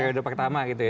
periode pertama gitu ya